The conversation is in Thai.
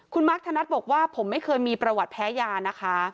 คุณมาร์คธนัทบอกว่าผมไม่เคยมีประวัติแพ้ยานะคะ